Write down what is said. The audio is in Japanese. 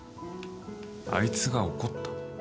あいつが怒った？